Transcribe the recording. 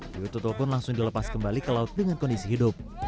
hiu tutul pun langsung dilepas kembali ke laut dengan kondisi hidup